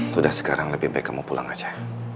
sudah sekarang lebih baik kamu pulang aja